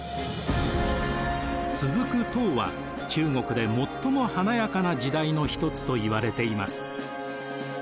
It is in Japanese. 続く唐は中国で最も華やかな時代の一つといわれています。